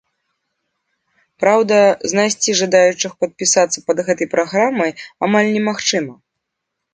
Праўда, знайсці жадаючых падпісацца пад гэтай праграмай амаль немагчыма.